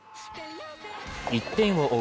１点を追う